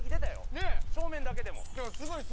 正面だけでも。